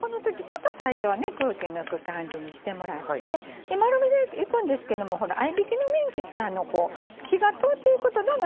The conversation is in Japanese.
この時ちょっと最初は空気抜く感じにしてもらって丸めていくんですけども合びきのミンチって火が通っていくとだんだん膨れてくる。